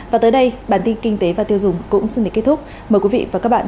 và tới đây bản tin kinh tế và tiêu dùng cũng xin để kết thúc mời quý vị và các bạn